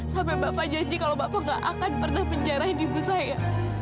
sampai bapak janji kalau bapak gak akan pernah menjarahin ibu saya